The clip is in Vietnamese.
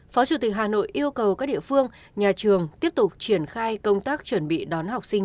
phó chủ tịch hà nội yêu cầu các địa phương nhà trường tiếp tục triển khai công tác chuẩn bị đón học sinh